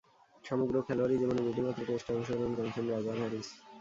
সমগ্র খেলোয়াড়ী জীবনে দুইটিমাত্র টেস্টে অংশগ্রহণ করেছেন রজার হ্যারিস।